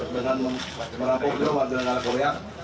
dengan merampoknya warga negara korea